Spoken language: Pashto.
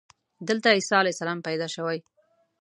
دلته عیسی علیه السلام پیدا شوی.